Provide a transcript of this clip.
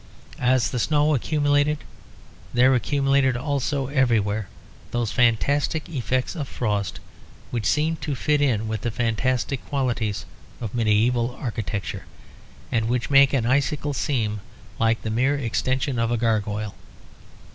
As the snow accumulated there accumulated also everywhere those fantastic effects of frost which seem to fit in with the fantastic qualities of medieval architecture; and which make an icicle seem like the mere extension of a gargoyle.